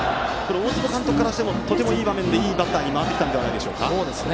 大坪監督からしてもとてもいい場面でいいバッターに回ったんじゃないですか？